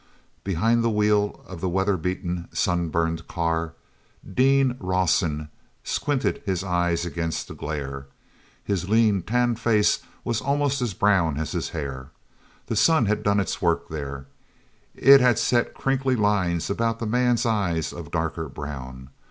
Behind the wheel of the weatherbeaten, sunburned car, Dean Rawson squinted his eyes against the glare. His lean, tanned face was almost as brown as his hair. The sun had done its work there; it had set crinkly lines about the man's eyes of darker brown.